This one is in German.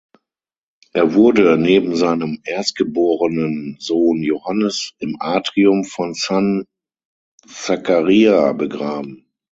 Er wurde neben seinem erstgeborenen Sohn Johannes im Atrium von San Zaccaria begraben.